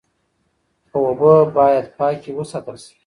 اوبه باید پاکې وساتل شي.